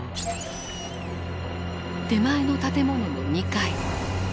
手前の建物の２階。